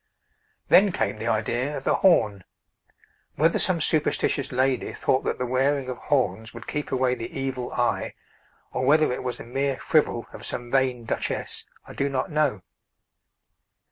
Then came the idea of the horn. Whether some superstitious lady thought that the wearing of horns would keep away the evil eye, or whether it was a mere frivol of some vain Duchess, I do not know.